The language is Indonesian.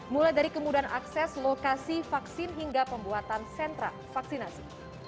mulai dari kemudahan akses lokasi vaksin hingga pembuatan sentra vaksinasi